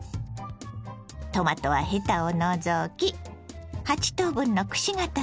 トマトはヘタを除き８等分のくし形に切ります。